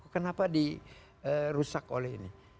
kenapa dirusak oleh ini